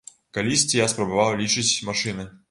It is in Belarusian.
Калісьці я спрабаваў лічыць машыны.